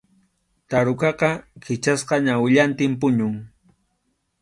Tarukaqa kichasqa ñawillantin puñun.